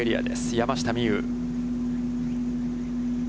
山下美夢有。